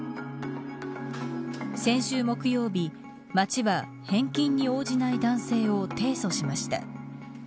先週木曜日、町は返金に応じない男性を提訴しました